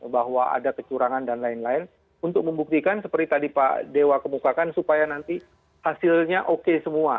bahwa ada kecurangan dan lain lain untuk membuktikan seperti tadi pak dewa kemukakan supaya nanti hasilnya oke semua